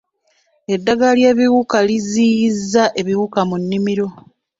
Eddagala ly'ebiwuka liziyiza ebiwuka mu nnimiro.